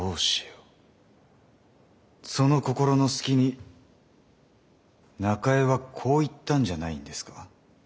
その心の隙に中江はこう言ったんじゃないんですか？